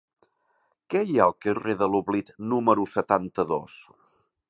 Què hi ha al carrer de l'Oblit número setanta-dos?